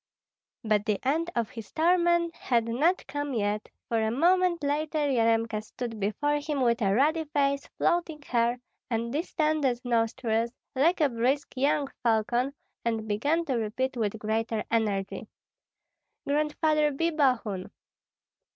But the end of his torment had not come yet, for a moment later Yaremka stood before him with a ruddy face, floating hair, and distended nostrils, like a brisk young falcon, and began to repeat with greater energy, "Grandfather, be Bogun!"